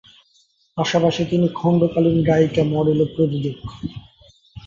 পাশাপাশি তিনি খণ্ডকালীন গায়িকা, মডেল ও প্রযোজক।